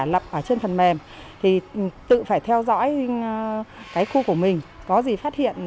lập ở trên phần mềm thì tự phải theo dõi cái khu của mình có gì phát hiện